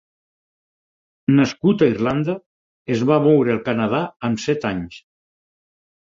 Nascut a Irlanda, es va moure al Canadà amb set anys.